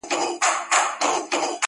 جهاني ډېر به دي غزل په تول د بوسو اخلي٫